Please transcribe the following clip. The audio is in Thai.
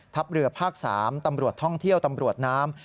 เรือภาค๓ตำรวจท่องเที่ยวตำรวจน้ำ